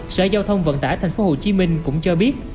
sở giao thông vận tải tp hcm cũng cho biết